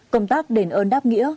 công tác đền ơn đáp nghĩa